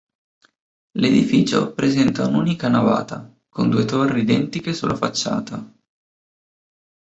L'edificio presenta un'unica navata, con due torri identiche sulla facciata.